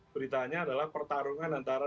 beritanya adalah pertarungan antara